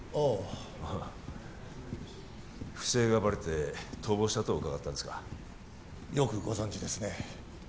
ああ不正がバレて逃亡したと伺ったんですがよくご存じですね